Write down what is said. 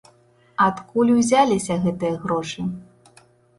Адкуль узяліся гэтыя грошы?